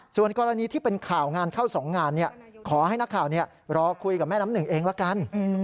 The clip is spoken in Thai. ส่วนกรณีที่เป็นข่าวงานเข้า๒งานขอให้นักข่าวรอคุยกับแม่น้ำหนึ่งเองละกัน